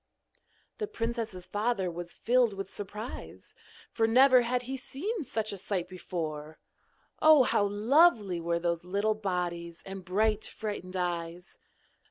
The princess's father was filled with surprise, for never had he seen such a sight before. Oh! how lovely were those little bodies, and bright frightened eyes!